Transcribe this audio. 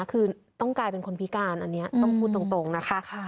คือต้องกลายเป็นคนพิการอันนี้ต้องพูดตรงนะคะ